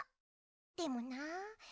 でもなあ